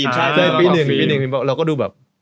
ใช่ปี๑ปี๑เราก็ดูแบบ